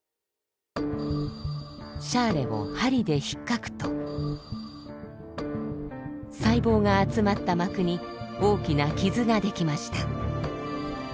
シャーレを針でひっかくと細胞が集まった膜に大きな傷が出来ました。